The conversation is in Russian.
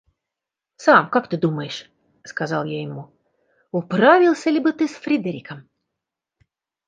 – Сам как ты думаешь? – сказал я ему, – управился ли бы ты с Фридериком?